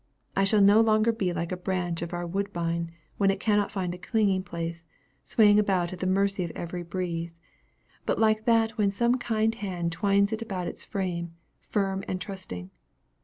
I shall no longer be like a branch of our woodbine when it cannot find a clinging place, swinging about at the mercy of every breeze; but like that when some kind hand twines it about its frame, firm and trusting.